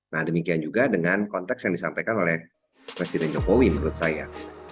nah demikian juga dengan konteks yang disampaikan oleh presiden jokowi menurut saya